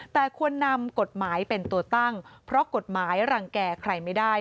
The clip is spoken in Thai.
แต่ควรนำกฎหมายเป็นตัวตั้งเพราะกฎหมายรังแก่ใครไม่ได้